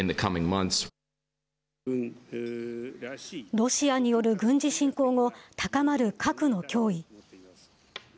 ロシアによる軍事侵攻後高まる核の脅威。